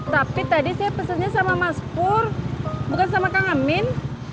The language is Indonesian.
tapi tadi saya pesannya sama mas pur bukan sama kang amin